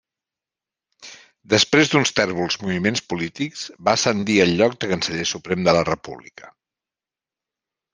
Després d'uns tèrbols moviments polítics va ascendir al lloc de Canceller Suprem de la República.